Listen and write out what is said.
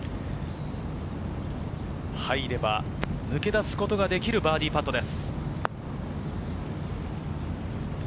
入れば抜け出すことができるバーディーパットです。